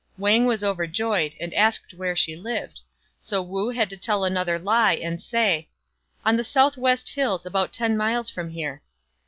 Wang was overjoyed, and asked where she lived ; so Wu had to tell another lie, and say, " On the south west hills, about ten miles from here."